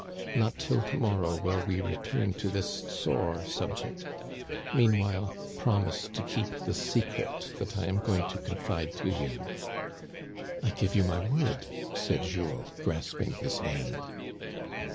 Not till to morrow will we return to this sore subject. Meanwhile, promise to keep the secret that I am going to confide to you." " I give you my word," said Jules, grasping his hand.